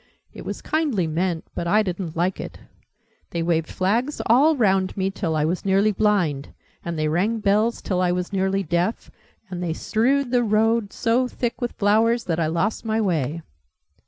"It was kindly meant but I didn't like it! They waved flags all round me till I was nearly blind: and they rang bells till I was nearly deaf: and they strewed the road so thick with flowers that I lost my way!"